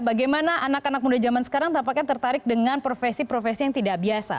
bagaimana anak anak muda zaman sekarang tampaknya tertarik dengan profesi profesi yang tidak biasa